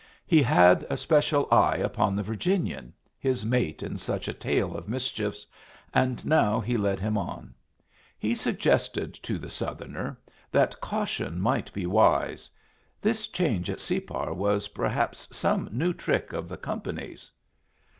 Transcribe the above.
He had a special eye upon the Virginian, his mate in such a tale of mischiefs, and now he led him on. He suggested to the Southerner that caution might be wise; this change at Separ was perhaps some new trick of the company's.